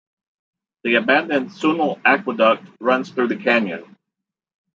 The abandoned Sunol Aqueduct runs through the canyon.